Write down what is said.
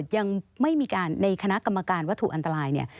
ยังไม่มีการในคณะกรรมการวัตถุอันตรายเนี่ย